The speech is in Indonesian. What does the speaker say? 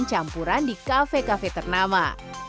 dan dijadikan campuran di kafe kafe ternama